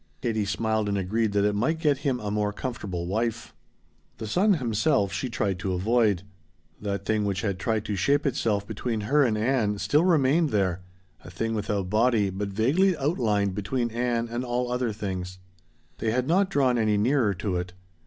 Katie smiled and agreed that it might get him a more comfortable wife. The son himself she tried to avoid. That thing which had tried to shape itself between her and Ann still remained there, a thing without body but vaguely outlined between Ann and all other things. They had not drawn any nearer to it.